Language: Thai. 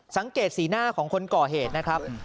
สังเกตสีหน้าของคนก่อเหตุนะครับ